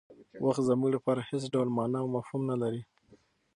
وخت زموږ لپاره هېڅ ډول مانا او مفهوم نه لري.